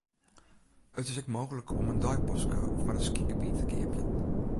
It is ek mooglik om in deipaske foar it skygebiet te keapjen.